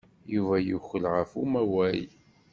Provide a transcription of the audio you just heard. Yuba yukel ɣef umawaɣ.